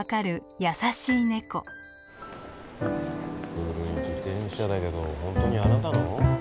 古い自転車だけど本当にあなたの？